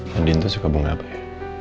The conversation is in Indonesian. buatin tuh suka bunga apa ya